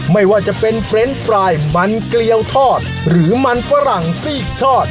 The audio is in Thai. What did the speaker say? ไม่ว่าจะเป็นเฟรนด์ปลายมันเกลียวทอดหรือมันฝรั่งซีกทอด